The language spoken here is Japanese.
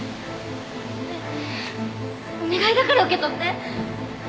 お願いだから受け取って